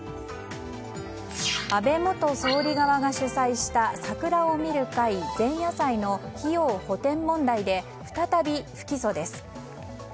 安倍元総理側が主催した桜を見る会前夜祭の費用補てん問題で再び不起訴です。